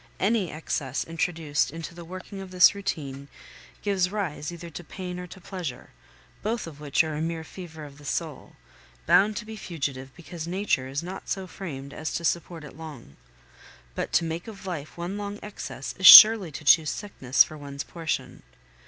Any excess introduced into the working of this routine gives rise either to pain or to pleasure, both of which are a mere fever of the soul, bound to be fugitive because nature is not so framed as to support it long. But to make of life one long excess is surely to choose sickness for one's portion.